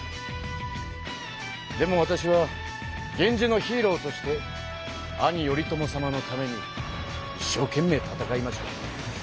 でもわたしは源氏のヒーローとして兄頼朝様のためにいっしょうけんめい戦いました。